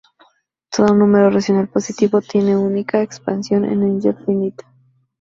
Todo número racional positivo tiene una única Expansión de Engel finita.